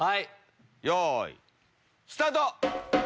よいスタート！